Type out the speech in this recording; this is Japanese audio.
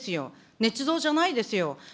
ねつ造じゃないですよ。